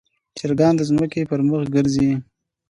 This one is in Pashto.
چرګان د ځمکې پر مخ ګرځي.